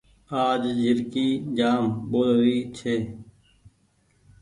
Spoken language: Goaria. آج جهرڪي جآم ٻول ري ڇي۔